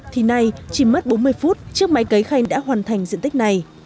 thì nay chỉ mất bốn mươi phút trước máy cấy khay đã hoàn thành diện tích này